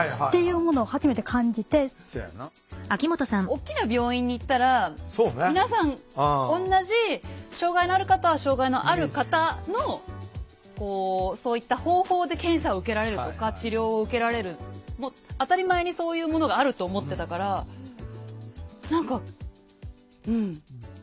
大きな病院に行ったら皆さん同じ障害のある方は障害のある方のそういった方法で検査を受けられるとか治療を受けられるもう当たり前にそういうものがあると思ってたから何かうん。